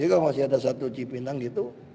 jadi kalau masih ada satu cipinang gitu